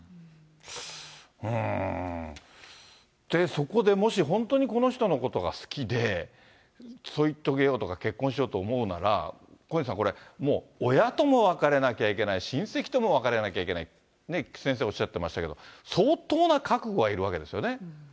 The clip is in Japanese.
そこでもし、本当にこの人のことが好きで、添い遂げようとか結婚しようと思うなら、小西さん、親とも別れなきゃいけない、親戚とも別れなきゃいけない、先生おっしゃってましたけど、相当な覚悟がいるわけですよね。